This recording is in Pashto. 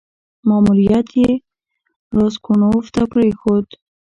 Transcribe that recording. ماموریت یې راسګونوف ته پرېښود.